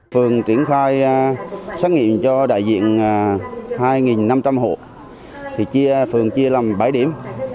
phường triển khai xét nghiệm cho đại diện hai năm trăm linh hộ chia phường chia làm bảy điểm